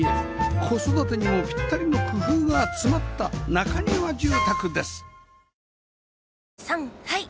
子育てにもぴったりの工夫が詰まった中庭住宅です